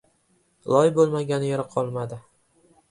Loy bo‘lmagan yeri qolmadi.